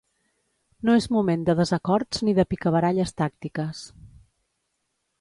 No és moment de desacords ni de picabaralles tàctiques.